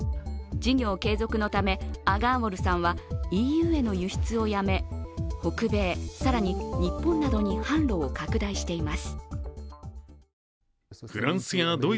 事業継続のためアガーウォルさんさんはＥＵへの輸出をやめ北米、更に日本などに販路を拡大しています。